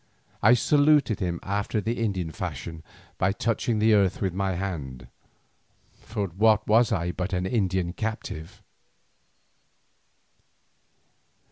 I saluted him after the Indian fashion by touching the earth with my hand, for what was I but an Indian captive?